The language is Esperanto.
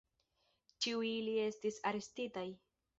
Ĉiuj ili estis arestitaj.